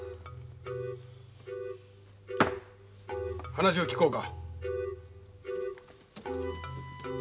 話を聞こうか。